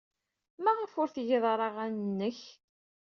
Maɣef ur tgid ara aɣanen-nnek?